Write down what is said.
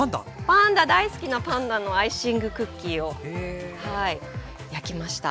パンダ大好きなパンダのアイシングクッキーを焼きました。